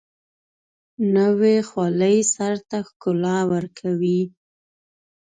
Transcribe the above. نوې خولۍ سر ته ښکلا ورکوي